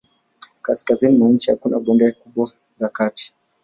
Kaskazini mwa nchi hakuna bonde kubwa la kati.